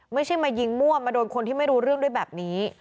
ไม่ใช่มายิงมั่วมาโดนคนที่ไม่รู้เรื่องด้วยแบบนี้